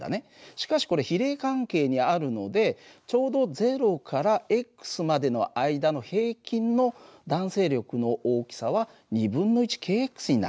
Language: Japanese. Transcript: しかしこれ比例関係にあるのでちょうど０からまでの間の平均の弾性力の大きさはｋになる。